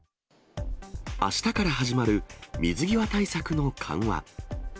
あしたから始まる水際対策の緩和。